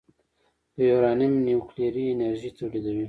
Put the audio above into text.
د یورانیم نیوکلیري انرژي تولیدوي.